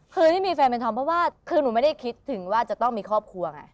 คือไม่มีแฟนเป็นธอมเพราะว่าคือหนูไม่ได้คิดถึงว่าจะต้องมีครอบครัวไง